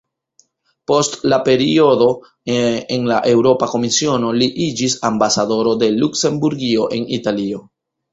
Post la periodo en la Eŭropa Komisiono, li iĝis ambasadoro de Luksemburgio en Italio.